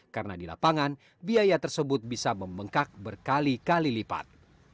karena di lapangan biaya tersebut bisa memengkak berkali kali lipat